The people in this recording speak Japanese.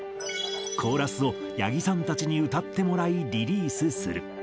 コーラスを八木さんたちに歌ってもらい、リリースする。